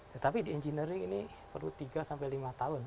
tetapi di engineering ini perlu tiga sampai lima tahun